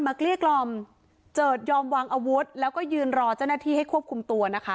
เกลี้ยกล่อมเจิดยอมวางอาวุธแล้วก็ยืนรอเจ้าหน้าที่ให้ควบคุมตัวนะคะ